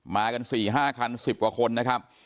มากันสี่ห้าคันสิบกว่าคนนะครับ